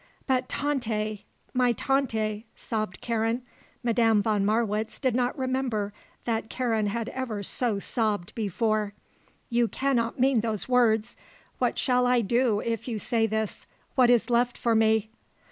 "But Tante my Tante " sobbed Karen Madame von Marwitz did not remember that Karen had ever so sobbed before "you cannot mean those words. What shall I do if you say this? What is left for me?"